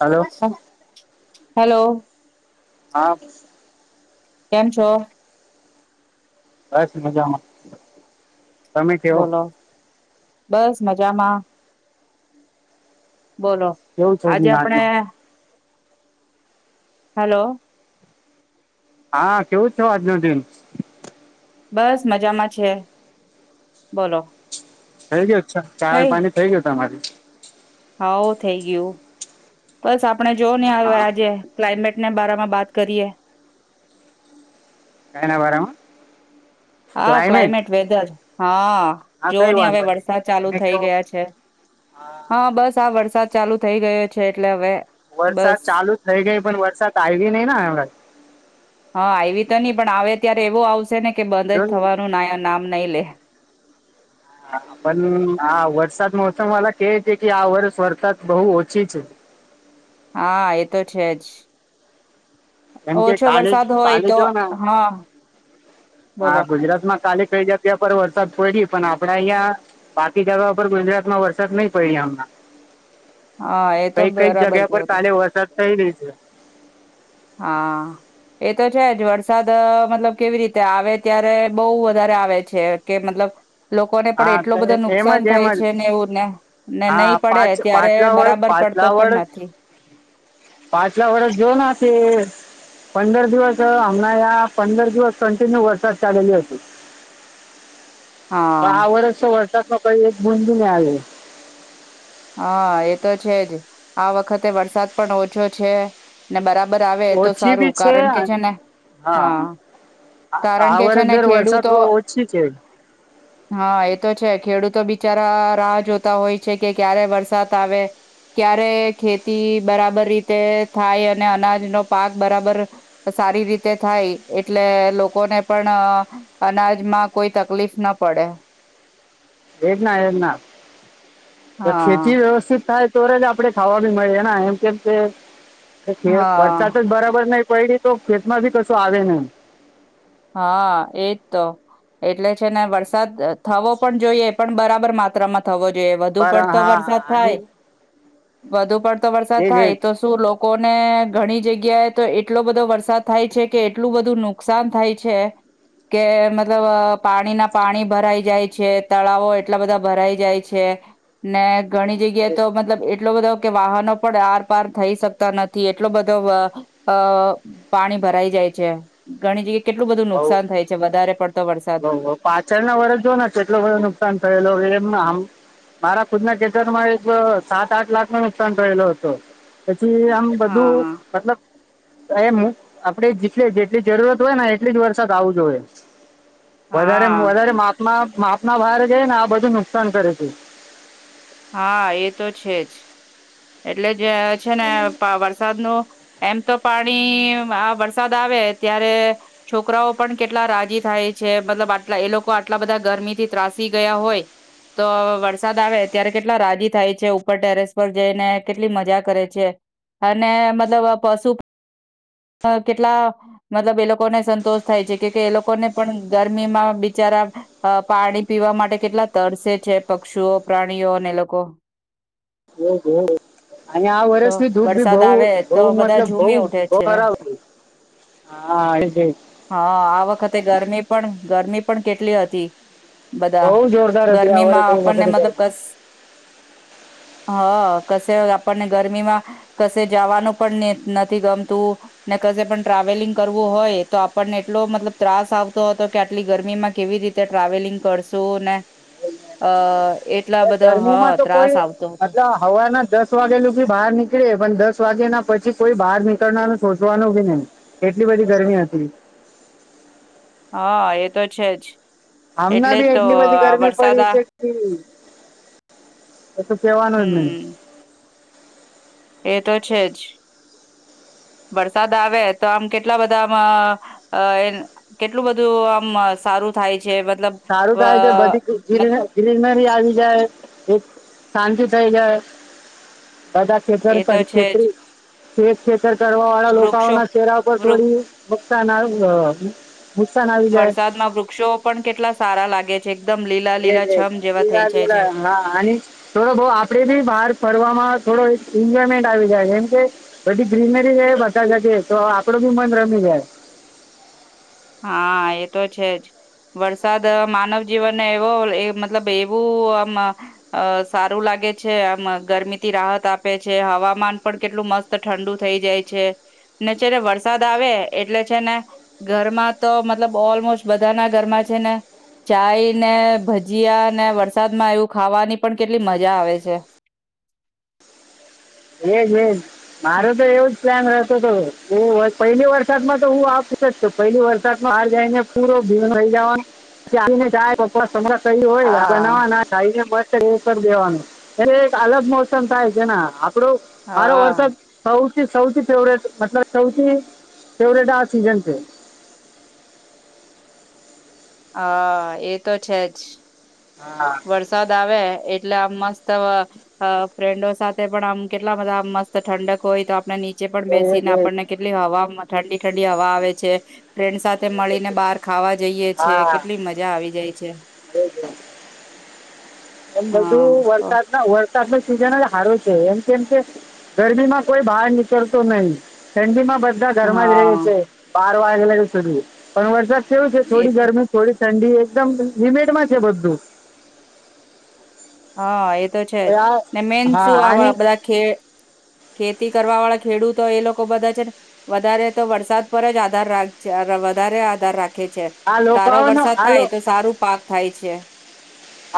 Hello. Hello. હા. કેમ છો? બસ મજામાં. તમે કેવો? બોલો બસ મજામાં. બોલો કેવું છો આજે દિન આપણે આજનો હલો. હા કેવું છો આજનો દિન? બસ મજામાં છે. બોલો. થઈ ગયો છ, ચા, પાણી થઈ ગયું તમારી? હાઓ થઈ ગયું. બસ આપણે જો ને હ હા આજે ક્લાઇમેટના બારામાં બાત કરીએ. એના બરામાં? હા ક્લાયમેટ વેધર. હા હા જો કઈ નહી હવે વાંધો વરસાદ ચાલુ તમે થઈ કેવો ગયા છે. હા બસ આ વરસાદ ચાલુ થઈ ગયો છે. એટલે હવે વરસાદ બસ ચાલુ થઇ ગઈ. પણ વરસાદ આવી નહી ના હવે હા આવી તો નહી પણ આવે ત્યારે એવો આવશે ને કે થવાનું નાય નામ નહીલે પણ આ વરસાદ મોસમ વાલા કે છે કે, આ વર્ષ વરસાદ બહુ ઓછી છે. હા એ તો છે જ. કેમ કે ઓછો કાલે વરસાદ હોય કાલે તો જો ને હા બોલો. ક જગ્યા પર વરસાદ પડી્યો પણ આપડા અહં બાકી જગ્યા પર ગુજરાતમાં વરસાદ નહી પડ્યો હમણાં. હા એ તો કઈક કઈક બરાબર જગ્યા કયો પર તમે કાલે વરસાદ [inaudible] હા એ તો છે જ વરસાદ મતલબ કેવી રીતે આવે ત્યારે બહુ વધારે આવે છે કે મતલબ લોકોને હા પણ તો એટલો બધો એમ નુકસાન જ થાય એમજ છે ને એવું ને ને હા નહીં પા પડે ત્યારે પાછલા વર્ષ બરાબર પાછલા પડતો પણ વર્ષ નથી પાછલા વર્ષ જો અનાથી પંદર દિવસ હમણાં આ પંદર દિવસ કંન્ટિન્યુ વરસાદ ચાલેલી હતી. પણ હા આ વર્ષ તો વરસાદમાં કઈ બુદિ લાવી હા એ તો છેજ આ વખતે વરસાદ પણ ઓછો છે ને બરાબર બરાબર આવે તો ઓછી સારું બી કારણ કે છે ને હા હા. કારણ આ કે છે વર્ષ ને દર વરસાદ ખેડૂતો ઓછી છે હા એ તો છે ખેડૂતો બિચારા રાહ જોતા હોય છે કે ક્યારે વરસાદ આવે ક્યારે ખેતી બરાબર રીતે થાય અને અનાજનો પાક બરાબર સારી રીતે થાય એટલે લોકો લોકોને પણ અનાજમાં કોઈ તકલીફ ના પડે. એક ના એક ના હા ખેતી વ્યવસ્થિત થાય સ્ટોરેજ આપડણે ખાવા બી મળી એમ કેમ કે કે વર્ષ તો હા જ બરાબર નઈ પડી તો ખેત માં ભી કશું આવે નઈ. હા એજ તો એટલે છે ને વરસાદ થવો પણ જોઈએ પણ બરાબર માત્રામાં થવો જોઈએ વધુ બર પડતો હા વરસાદ આની થાય વધુ પડતા વરસાદ એ જ થાય તો શું લોકો કોને ઘણી જગ્યાએ તો એટલો બધો વરસાદ થાય છે કે એટલું બધું નુકસાન થાય છે. કે મતલબ પાણી ના પાણી ભરાઈ જાય છે, તળાવો એટલા બધા ભરાઈ જાય છે ને ઘણી જગ્યાએ, એજ તો મતલબ એટલો બધો કે વાહનો પણ આર પાર થઈ શકતા નથી, એટલો બધો પાણી ભરાઈ જાય છે. ઘણી જી કેટલું બધું નુકસાન થાય છે, વધારે પડ હ પાછળના વર્ષ જો ને કેટલો બધો નુકસાન થયેલો, એમ ના આમ મારા ખુદ ના ખેતરમાં એક સાત આઠ, લાખ, નો નુકસાન થલો હત. હમ્મ, આમ બધું હા મતલબ એમ મુ આપડે જેટલી જેટલી, જરૂરત હોય, ને એટલી જ વરસાદ આવો જોઈએ. વધારે, હા વધારે માફમા માપના બારે જઈને, આ બધું નુકસાન કરે છે. હા, એ તો છેજ. એટલે જે છેને, પ વરસાદ નો એમ તો પાણી આ વરસાદ આવે, ત્યારે છોકરાઓ પણ કેટલા રાજી થાય, છે મતલબ આટલા એ લોકો આટલા બધા ગરમીથી ત્રાસી ગયા હોય, તો વરસાદ આવે ત્યારે કેટલા રાજી થાય છે ઉપર ટેરેસ પર. જઈને કેટલી મજા કરે છે, અને મતલબ આ પશુ. અ કેટલા મતલબ એ લોકોને સંતોષ થાય છે, ક-કે એ લોકોને પણ ગરમીમાં બિચારા પાણી પીવા માટે કેટલા તરસે છે, પક્ષુઓ પ્રાણીઓ ને લોકો. અને આ તો વરષની ધૂપ બી બઉ, વરસાદ આવે બઉ તો બધા મતલબ, ઝૂમી ઉઠે બઉ છે ખરાબ. હા, હતી. હા એ આ વખતે ગરમી પણ ગરમી પણ કેટલી હતી. બધા બહુ જોરદાર હતી આ ગરમીમાં વર્ષે આપણને વખતે મતલબ ગરમી બસ. હ, કશે આપણને ગરમીમાં, કશે જવાનું પણ ની નથી ગમતું. ને કસે પણ ટ્રાવેલિંગ કરવું હોય, તો આપણને એટલો મતલબ ત્રાસ આવતો હતો, કે આટલી ગરમીમાં કેવી રીતે ટ્રાવેલિંગ કરશું, ને અ એ ગરમીમાં તો, કોઈ મતલબ હવાર ના દસ વાગે લધી બહાર નીકળે પણ, દસ વાગે ના પછી કોઈ બહાર નીકળનાનું સોચવાનું, બી નઈ એટલી બધી ગરમી હતી. હા, એ તો છે જ. હમણા એટલે બી જ તો એટલી બધી ગરમી વરસાદ પડી આ છે, એ તો કેવાનું જ નઈ. હમ એ તો છેજ, વરસાદ આવે તો આમ કેટલા બધામાં અ કેટલું, બધું આમ સારું થાય. છે મતલબ સારું અ થાય છે, મત બધી [unintelligible] આવી જાય એક શાંતિ થઇ, જાય. બધા ખેતર એ તો પર છે જ ખેતરી ખેતર કરવા વાળા, લોકો વૃક્ષો ના ચરા પર વૃ થોડી નુકસાન, નુકસાન આવી જાય. વરસાદમાં વૃક્ષો પણ કેટલા સારા લાગે છે. એકદમ લીલા એજ, લીલા એજ છમ જેવા થઈ લીલા, જાય છે. લીલા હા અને થોડો બઉ આપડે બી બહાર ફરવામાં થોડો એન્જોયમેન્ટ આવી જાય, એમ કે બધી ગ્રીનરી છે, બધા જ તો આપડો બી મન રમી જાય. હા, એ તો છે જ વરસાદ માનવ જીવનને એવો એ મતલબ એવું આમ સારું લાગે છે, આમ ગરમીથી રાહત આપે છે હવામાન પણ કેટલું મસ્ત ઠંડુ થઈ જાય છે, ને જેને વરસાદ આવે એટલે છેને ઘરમાં તો મતલબ ઓલમોસ્ટ, બધા ના ઘરમાં છેને, ચાઈ ને ભજીયા ને વરસાદમાં એવું ખાવાની પણ કેટલી મજા આવે છે. હમ, હમ મારે તો એવું જ પ્લાન રાહતો હતો એ પહેલી વરસાદમાં તો હું આખુ પહેલી વરસાદમાં હાર જઈને પૂરો ભીમ રહી જવાનોને [unintelligible] કઈ હોય આ હા. બનાવના ખાઈ ને મસ્ત કરી પણ દેવાનું અને એક અલગ મોસમ થાય છે આના પડો હારો વરસાદ હા થઉં સૌથી ફેવરેટ મતલબ સૌથી ફેવરેટ આ સીઝન છે. હા એ તો છે જ. હા વરસાદ આવે એ ટલે આમ મસ્ત ફ્રેન્ડો સાથે પણ આમ કેટલા બધા મસ્ત ઠંડક હોય તો આપણે ની ચે પણ તો એ બેસીને જ એ જ આપણને કેટલી હવા ઠંડી ઠંડી હવા આવે છે. ફ્રેન્ડ સાથે મળીને બાર ખાવા જઈએે છે હા કેટલી એ મજા આવી જાય છે. [inaudible] એમ બધું હા તો વરસાદ ના વર સાદ નું સિઝન જ હારો છે એમ કેમ કે ગરમી માં કોઈ બહાર નીકળતો નહી ઠંડી માં બધા ઘરમાં જ રહે હા છે બા વાગ પણ વર્ષ કેવું છે એ થોડી તો ગરમી થોડી ઠંડી એકદમ લિમેટ માં છે, બધું હા. એ આ મેન હા શું આવે આની બધા ને ઘેર ખેતી કરવા વાળા ખેડૂતો એ લોકો બધા છે ને, વધારે તો વરસાદ પર જ આધાર રાખે વધારે આધાર રાખે. રાખે છે આ સારો લોકોનો વરસાદ આ થાય લો તો સારો પાક થાય છે.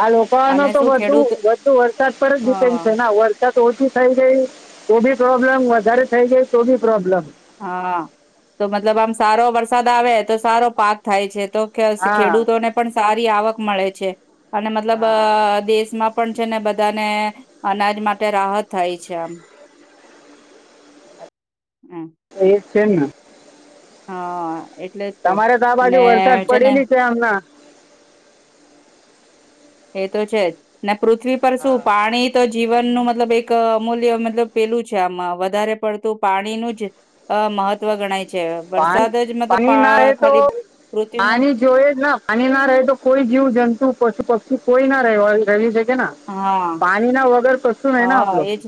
આ રોકાવાનો અને તો શું બધાને ખેડૂત વધુ વરસાદ પર જ ડિપેન્ડ હા છે ના વરસાદ ઓછો થાઈ છે. તો બી પ્રોબ્લેમ વધારે થઇ ગાય તો બી પ્રોબ્લેમ. હા, તો મતલબ આમ સારો વરસાદ આવે તો સારો પાક થાય છે. તો હા ખેડૂતોને પણ સારી આવક મળે છે. અને મતલબ હા દેશમાં પણ છે ને, બધાને અનાજ માટે રાહત થાય છે આમ. હમ. એ જ છે હા. એટલે જ તમારે તો આ બાજુ ને વરસાદ ને પડે છે આમના? એ તો છે જ. પૃથ્વી પર શું પાણી તો જીવનનું મતલબ એક અમૂલ્ય મતલબ પેલું છે, આમાં વધારે પડતું પાણીનું જ મહત્વ ગણાય છે પા વરસાદ જ મતલબ પાણી ના રહે પા- તો ખાલી પૃથ્વીમાં પાણી જોઈ જ ના પાણી ના રહે તો કોઈ જીવ જંતુ પશુ પ કોઈ ના રહેવા રવિ છે. હા પાણી ના વગર કશું નયને હા આપણુ એજ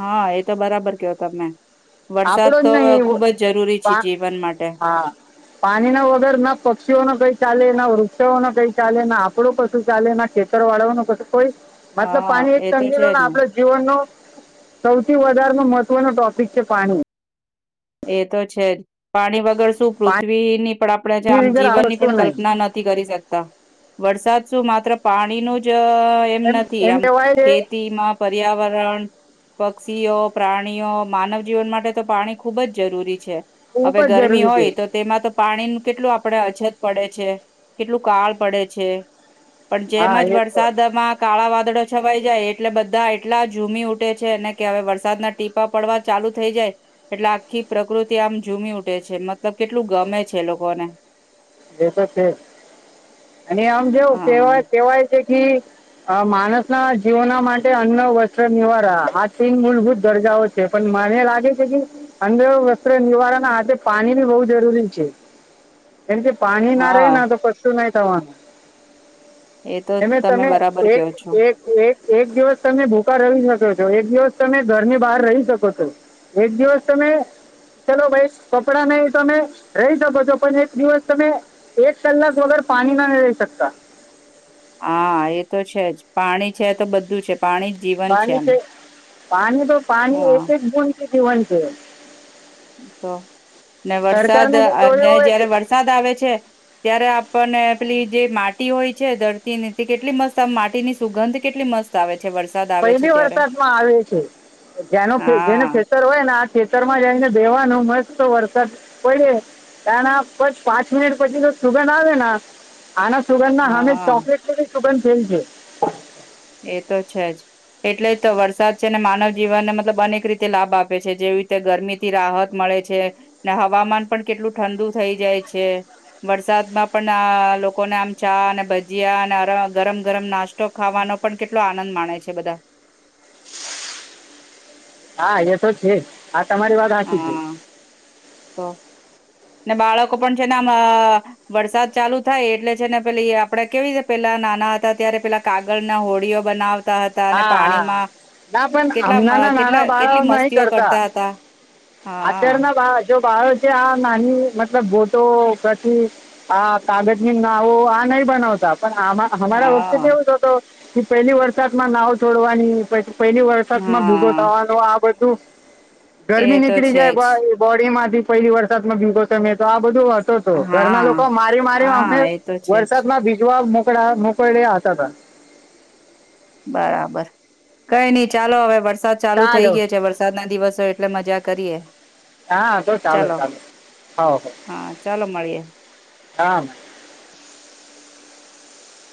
હા એ તો બરાબર કેહયો તમે વરસાદ આપડો જ તો નહી ખુબ જ જરૂરી છે જીવન માટે. હા પાણી ના વગર ના પક્ષીઓ ન કઈ ચાલે ના વૃ [unintelligible] નો કઈ ચાલે ના આપણો કશું ચાલે ના ખેતર વાળાઓનો કશું કોઈ મતલબ હા પાણી એક એ તો તંગીનું છે ને જ આપડ જીવનનો સૌથી વધારે નો મ કોઈનો ટોપિક છે પાણી એ તો છે જ પાણી વગર શું પાણી પૃથ્વીની પણ આપણેે જ એની આમ વગર આ જીવનની વસ્તુ પણ નહીં કલ્પના નથી કરી શકતા વરસાદ શું માત્ર પાણીનુ જ અ એમ નથી એમ ખેતીમાં, પર્યાવરણ પક્ષીઓ પ્રાણીઓ માનવજીવન માટે તો પાણી ખુબજ જરૂરી છે. ખૂબ હવે જ ગરમી જરૂરી છે હોય તો તેમાં તો પાણીનું કેટલું આપડે અછત પડે છે કેટલું કાળ પડે છે. પણ હા જેમજ એ તો વરસાદમાં કાળાવા એટલે છવાઈ જાય એટલે બધા એટલા ઝૂમી ઉઠે છે ને કે હવે વરસાદના ટીપા પડવા ચાલુ થઈ જાય એટલે આખી પ્રકૃતિ આમ ઝૂમી ઉઠે છે મતલબ કેટલું ગમે છે એ લોકોને એ તો છે અને આમ જેવું હા કેવા કેવાય છે કે અ માણસના જીવાના માટે અન્ન વસ્ત્ર નિવારણ આ તીન મૂળભૂત દર્જાઓ છે પણ મને લાગે છે કે અન્ન વસ્ત્ર નિવારણના હાથે પાણી બી બહુ જરૂરી છે. કેમકે કે પાણી ના રેય હા ના તો કશું ના ત્રણ એ તો એમે તમે બરાબર એક કહો છો એક એક એક દિવસ તમે ભુખા રહી શકો છો એક દિવસ તમે ઘરની બહાર રહી શકો છો, એક દિવસ તમે ચલો ભાઈ કપડાં નહી તમે રહી શકો છો પણ એક દિવસ તમે એક કલાક વગર પાણી ના ન લઈ સકતા. હા એ તો છે જ પાણી છે તો બધું છે. પાણી જ જીવન પાણી એમ છે પાણી તો પાણી હા એક એક બુનદ જીવન છે. તો, ને વરસાદ સરકારને બી અને જોયું હોય જયારે કે વરસાદ આવે છે, ત્યારે આપ પને પીલી જે માટી હોય છે ધરતીની તે કેટલી મસ્ત આવે માટીની સુગંધ કેટલી મસ્ત આવે છે વરસાદ આવે છે પહેલી ત્યારે વરસાદમાં આવે છે, જેનો ખે જેનું હા ખેતર હોય ને આ ખેતરમાં જઈને બેહવાનું મસ્ત વરસાદ પડે તેના પર પાંચ મિનિટ પછી તો સુગંધ આવેને આના સુગંધના હામે હા ચોકલેટની બી સુગંધ ફેલ છે. એ તો છે જ એટલે જ તો વરસાદ છે ને માનવ જીવનને મતલબ અનેક રીતે લાભ આપે છે જેવી રીતે ગરમીથી રાહત મળે છે, ને હવામાન પણ કેટલું ઠંડુ થઈ જાય છે વરસાદમાં પણ આ લોકોને આમ ચા અને ભજીયા અને અર ગરમ ગરમ નાસ્તો ખાવાનો પણ કેટલો આનંદ માણે છે બધા. હા એ તો છે. હા તમારી વાત હાચી છે. હા તો ને બાળકો પણ છે ને આમ વરસાદ ચાલુ થાય એટલે છે ને પેલી આપડે કેવી રીતે પેલા નાના હતા ત્યારે પેલા કાગળના હોડીઓ બનાવ કરતાં હતા અને હા હા હા. પાણીમાં ના પણ કેટલા અમ અ હમણાંના કેટલા નાના કેટલી મસ્તીઓ કરતા હતા. હા આચારના ભાવ જો મારો છે આ નહી મતલબ બોટો પછી, આ કાગળની નાવો આ નહી બનાવતા. પણ આ અમારા વખતે હા કેવું થતો. એ પેલી વરસા માં નાવ છોડવાની પછી પેલી વરસાદમાં ભેગો હા થવાનો આ બધું [unintelligible] એ તો છે. એ જ ભાઈ બોડી એમાંથી પહેલી વરસાદમાં ભીગોતા મે તો આ બધું ઘરના હા લોકો મારી મારી અમને હા એ તો છે જ વરસાદમાં ભીજવા થોડા મોકડયા આવતા હતા. બરાબર, કઈ નઈ ચાલો હવે વરસા વરસાદ ચાલુ થઈ ચાલો ગયો છે વરસાદના દિવસો એટલે મજા કરીએ. હા તો ચાલે ચલો ચાલે, હોવ હા ચાલો મળીએ હા.